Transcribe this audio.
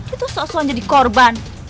itu sosokan jadi korban